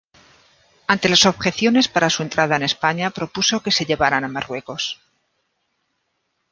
Ante las objeciones para su entrada en España, propuso que se llevaran a Marruecos.